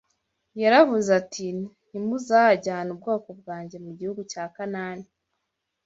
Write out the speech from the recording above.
Yaravuze ati ntimuzajyana ubwoko bwanjye mu gihugu cya Kanani